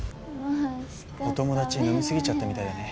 お友達飲みすぎちゃったみたいだね。